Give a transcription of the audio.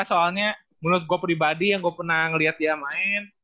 soalnya menurut gue pribadi yang gue pernah ngeliat dia main